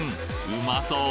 うまそう